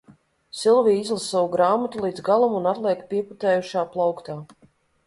Silvija izlasa savu grāmatu līdz galam un atliek pieputējušā plauktā.